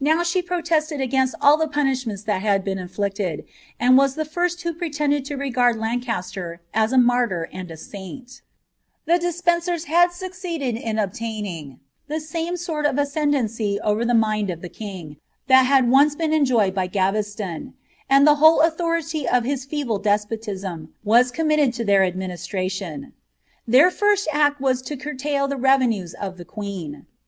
Now she protested against all the punishments that had been inflicted, and was the first who pretended to regard Lancaster as a martyr and a saint The Despencers had succeeded in obtaining the same sort of ascend ancy over the mind of the king that had been once enjoyed by Gaves *on ; and the whole authority of his feeble despotism was committed to tlK^'ir administration. Their first act was to curtail the revenues of the queen.